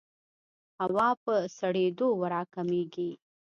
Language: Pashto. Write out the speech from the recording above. هوا په سړېدو راکمېږي.